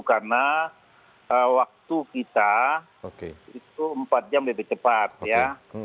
karena waktu kita itu empat jam lebih cepat ya